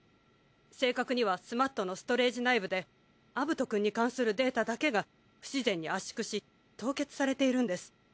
正確にはスマットのストレージ内部でアブトくんに関するデータだけ不自然に圧縮し凍結されているんです。